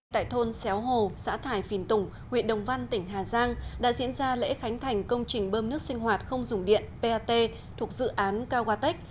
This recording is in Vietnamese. tại thôn xéo hồ xã thải phìn tùng huyện đồng văn tỉnh hà giang đã diễn ra lễ khánh thành công trình bơm nước sinh hoạt không dùng điện pat thuộc dự án cao qua tech